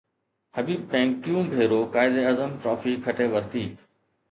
حبيب bank ٽيون ڀيرو Quaid-e-Azam trophy کٽي ورتي